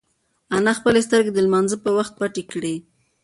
انا خپلې سترگې د لمانځه په وخت پټې کړې.